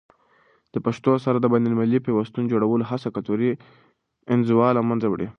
د پښتو سره د بینالمللي پیوستون جوړولو هڅه کلتوري انزوا له منځه وړي.